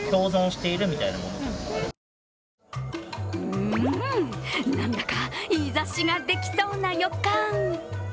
うんうん、なんだかいい雑誌ができそうな予感。